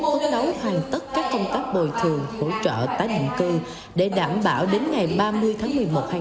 phấn đấu hoàn tất các công tác bồi thường hỗ trợ tái định cư để đảm bảo đến ngày ba mươi tháng một mươi một hai nghìn hai mươi